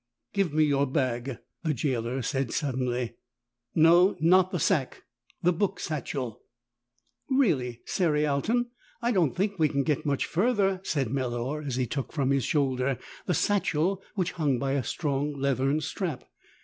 "Give me your bag," the gaoler said suddenly. "No, not the sack, the book satchel." "Really, Cerialton, I don't think we can get much further," said Melor as he took from his shoulder the satchel which hung by a strong leathern strap.